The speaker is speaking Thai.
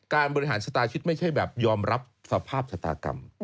การบริหารสตาร์ชิตไม่ใช่แบบยอมรับสภาพชะตากรรม